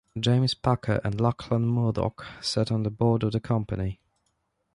James Packer and Lachlan Murdoch sat on the board of the company.